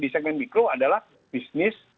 di segmen mikro adalah bisnis